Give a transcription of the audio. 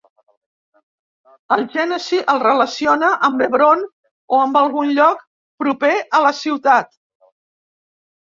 El Gènesi el relaciona amb Hebron o amb algun lloc proper a la ciutat.